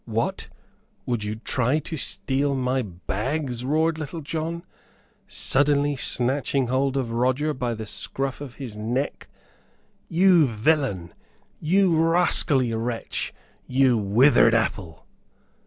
"What! would you try to steal my bags?" roared Little John, suddenly snatching hold of Roger by the scruff of his neck. "You villain you rascally wretch you withered apple!"